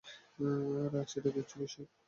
রাজ, এটা তুচ্ছ বিষয়।